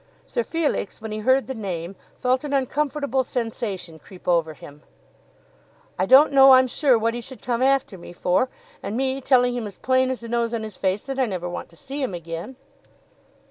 Sir Felix, when he heard the name, felt an uncomfortable sensation creep over him. "I don't know I'm sure what he should come after me for, and me telling him as plain as the nose on his face that I never want to see him again."